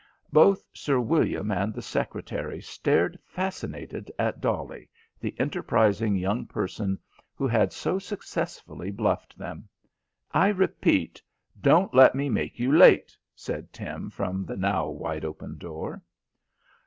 Both Sir William and the secretary stared fascinated at Dolly, the enterprising young person who had so successfully bluffed them. "I repeat, don't let me make you late," said Tim from the now wide open door.